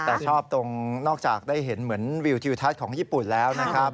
แต่ชอบตรงนอกจากได้เห็นเหมือนวิวทิวทัศน์ของญี่ปุ่นแล้วนะครับ